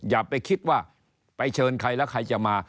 อย่าไปคิดว่าไปเชิญใครแล้วใครจะมา